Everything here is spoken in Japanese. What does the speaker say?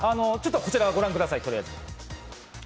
こちら御覧ください。